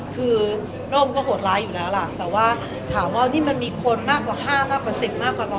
คือร่มก็โหดร้ายอยู่แล้วล่ะแต่ว่าถามว่านี่มันมีคนมากกว่า๕มากกว่า๑๐มากกว่าเรา